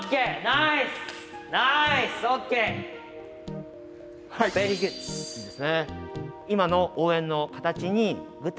いいですね。